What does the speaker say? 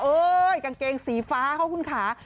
เอ้ยกางเกงสีฟ้าครับคุณค้า